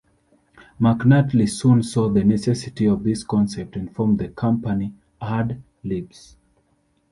McNulty soon saw the necessity of this concept and formed the company Ad Libs.